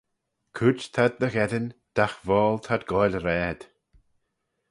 Cooid t'ad dy gheddyn, dagh voayl t'ad goaill raad.